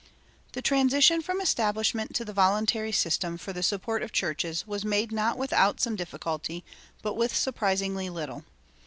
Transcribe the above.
The transition from establishment to the voluntary system for the support of churches was made not without some difficulty, but with surprisingly little.